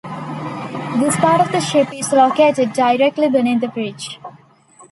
This part of the ship is located directly beneath the bridge.